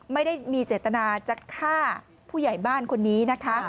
ไม่ได้มีเจตนาจะฆ่าผู้ใหญ่บ้านคนนี้นะคะ